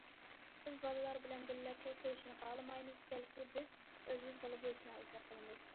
بىز بالىلار بىلەن بىللە تۇرۇشنى خالىمايمىز، بەلكى بىز ئۆزىمىز بالا بولۇشنى ئارزۇ قىلىمىز.